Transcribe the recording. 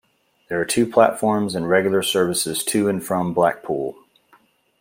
There are two platforms and regular services to and from Blackpool.